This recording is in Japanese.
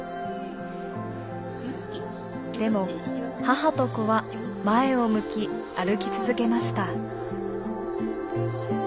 でも母と子は前を向き歩き続けました。